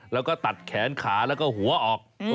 แล้วก็ตัดแขนขาแล้วก็หัวออก